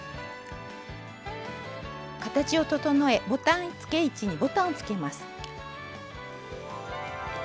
形を整えボタンつけ位置にボタンをつけます。